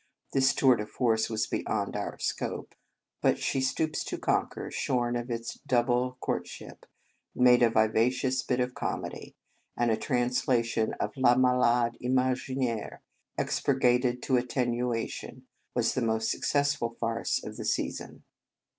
This tour de force was be yond our scope; but "She Stoops to 43 In Our Convent Days Conquer," shorn of its double court ship, made a vivacious bit of comedy, and a translation of " Le Malade Ima ginaire" expurgated to attenuation was the most successful farce of the season.